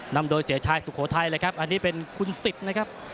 นำโดยเสียชายสุโขทัยเลยครับอันนี้เป็นคุณสิทธิ์นะครับ